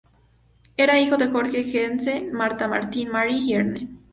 Era hijo de Jørgen Jensen y Martha Martine Marie Harding.